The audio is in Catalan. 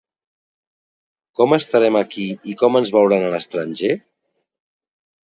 Com estarem aquí i com ens veuran a l’estranger?